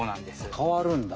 かわるんだ。